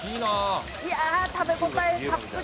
いやあ食べ応えたっぷり。